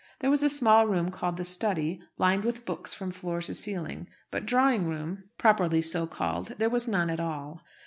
There was a small room called the study, lined with books from floor to ceiling; but drawing room, properly so called, there was none at all.